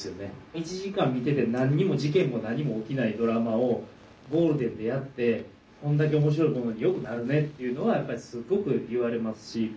１時間見てて何も事件も何も起きないドラマをゴールデンでやってこんだけ面白いものによくなるねっていうのはやっぱりすごく言われますし。